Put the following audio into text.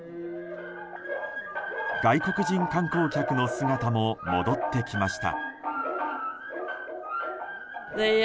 外国人観光客の姿も戻ってきました。